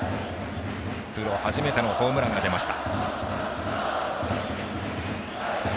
プロ初めてのホームランが出ました。